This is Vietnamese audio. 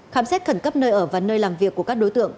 khám xét khẩn cấp nơi ở và nơi làm việc của các đối tượng